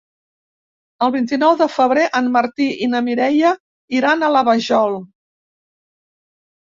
El vint-i-nou de febrer en Martí i na Mireia iran a la Vajol.